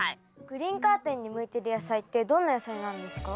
グリーンカーテンに向いてる野菜ってどんな野菜なんですか？